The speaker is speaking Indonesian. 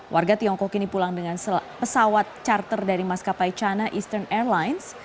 warga tiongkok ini pulang dengan pesawat charter dari maskapai china eastern airlines